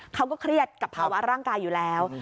เขาก็เครียดกับภาวะร่างกายอยู่แล้ว